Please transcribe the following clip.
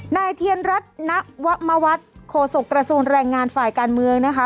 นายเทียนรัฐนวมวัฒน์โฆษกระทรวงแรงงานฝ่ายการเมืองนะคะ